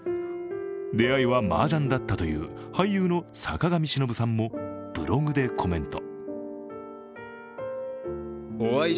出会いは麻雀だったという俳優の坂上忍さんもブログでコメント。